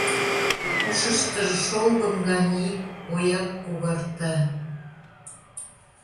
Ушыштыжо шолгым гане ик ояк когарта.